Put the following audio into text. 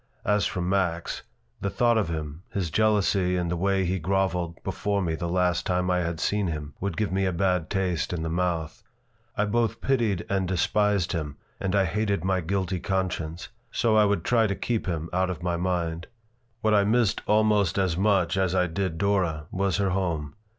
As for Max, the thought of him, his jealousy and the way he groveled before me the last time I had seen him, would give me a bad taste in the mouth. I both pitied and despised him, and I hated my guilty conscience; so I would try to keep him out of my mind. What I missed almost as much as I did Dora was her home.